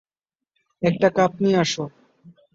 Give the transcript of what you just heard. একটা কাপ নিয়ে আসো।